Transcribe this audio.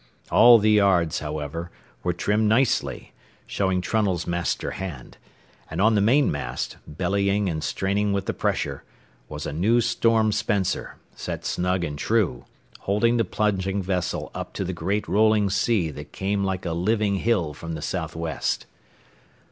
All the yards, however, were trimmed nicely, showing Trunnell's master hand, and on the mainmast, bellying and straining with the pressure, was a new storm spencer, set snug and true, holding the plunging vessel up to the great rolling sea that came like a living hill from the southwest.